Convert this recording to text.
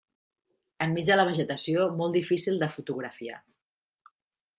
En mig de la vegetació, molt difícil de fotografiar.